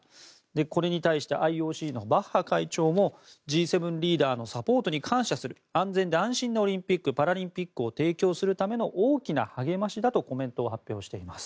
これに対してＩＯＣのバッハ会長もＧ７リーダーのサポートに感謝する安全で安心なオリンピック・パラリンピックを提供するための大きな励ましだとコメントを発表しています。